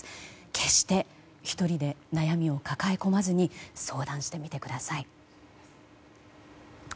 決して１人で悩みを抱え込まずに相談してみてください。